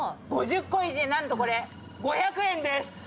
⁉５０個入りで何とこれ５００円です。